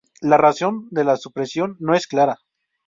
La razón de la supresión no es clara.